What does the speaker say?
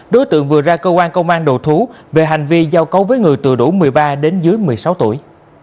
đối tượng vừa ra cơ quan công an đầu thú về hành vi giao cấu với người từ đủ một mươi ba đến dưới một mươi sáu tuổi